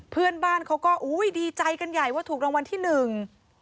เพื่อนบ้านเขาก็อุ้ยดีใจกันใหญ่ว่าถูกรางวัลที่หนึ่ง